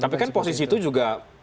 tapi kan posisi itu juga